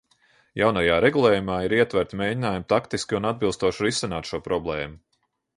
Jaunajā regulējumā ir ietverti mēģinājumi taktiski un atbilstoši risināt šo problēmu.